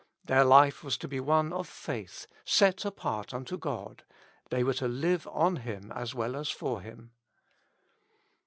Their life was to be one of faith : set^ apart unto God, they were to live on Him as well as for Him.